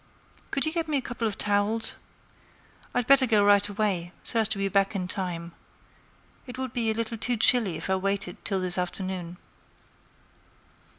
Could you get me a couple of towels? I'd better go right away, so as to be back in time. It would be a little too chilly if I waited till this afternoon."